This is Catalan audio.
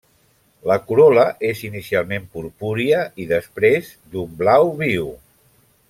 La corol·la és inicialment purpúria i després d'un blau viu.